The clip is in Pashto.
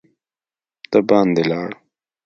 د باندي لاړ.